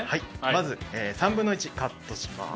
まず３分の１カットします。